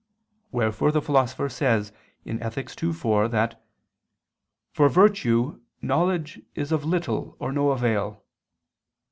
Wherefore the Philosopher says (Ethic. ii, 4) that "for virtue knowledge is of little or no avail."